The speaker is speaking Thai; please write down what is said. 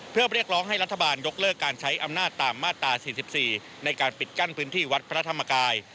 เพื่อเรียกร้องให้รัฐบาลยกเลิกการใช้อำนาจตามมาตรา๔๔ในการปิดกั้นพื้นที่วัดพระธรรมกาย